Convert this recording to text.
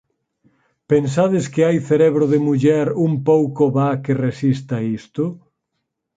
Pensades que hai cerebro de muller un pouco va que resista isto?